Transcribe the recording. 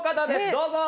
どうぞ！